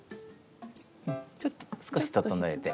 うんちょっと少し整えて。